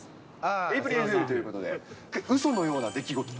エイプリルフールということで、うそのような出来事。